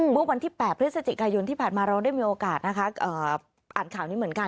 เมื่อวันที่๘พฤศจิกายนที่ผ่านมาเราได้มีโอกาสอ่านข่าวนี้เหมือนกัน